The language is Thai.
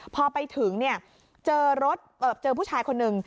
พอไปถึงเจอผู้ชายคนหนึ่ง